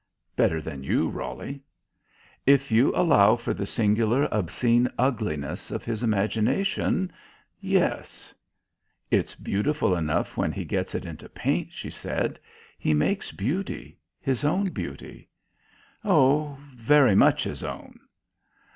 "Better than you, Roly." "If you allow for the singular, obscene ugliness of his imagination, yes." "It's beautiful enough when he gets it into paint," she said. "He makes beauty. His own beauty." "Oh, very much his own."